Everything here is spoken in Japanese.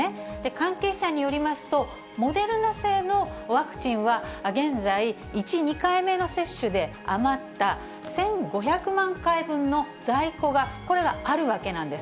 関係者によりますと、モデルナ製のワクチンは現在、１、２回目の接種で余った１５００万回分の在庫が、これがあるわけなんです。